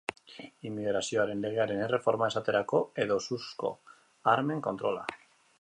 Immigrazioaren legearen erreforma, esaterako, edo suzko armen kontrola.